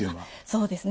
そうですね。